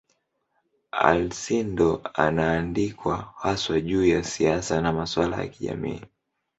Alcindor anaandikwa haswa juu ya siasa na masuala ya kijamii.